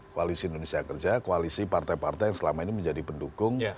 koalisi indonesia kerja koalisi partai partai yang selama ini menjadi pendukung